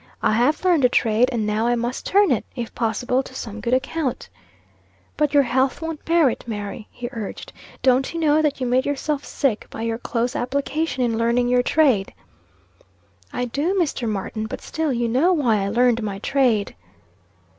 "I have learned a trade, and now I must turn it, if possible, to some good account." "But your health won't bear it, Mary," he urged. "Don't you know that you made yourself sick by your close application in learning your trade?" "I do, Mr. Martin; but still, you know why I learned my trade."